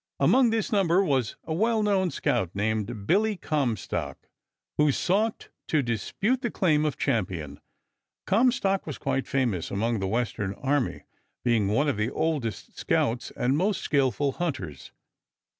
Among this number was a well known scout named Billy Comstock, who sought to dispute the claim of champion. Comstock was quite famous among the Western army being one of the oldest scouts and most skillful hunters.